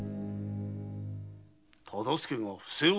忠相が不正を？